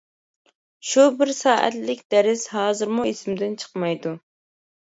شۇ بىر سائەتلىك دەرس ھازىرمۇ ئېسىمدىن چىقمايدۇ.